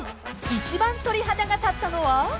［一番鳥肌が立ったのは？］